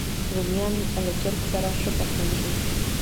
رومیان له چرګ سره ښه پخېږي